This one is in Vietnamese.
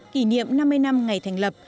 kỷ niệm năm mươi năm ngày thành lập